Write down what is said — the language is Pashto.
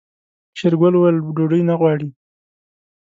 شېرګل وويل ډوډۍ نه غواړي.